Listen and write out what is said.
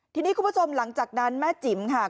ทีนี้คุณผู้ชมหลังจากนั้นแม่จิ๋มค่ะ